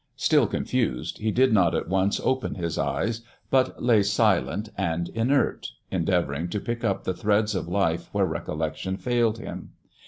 Still confused, he did not at once open his eyes, but lay silent and inert, endeavouring to pick up the threads of life where recollection failed him.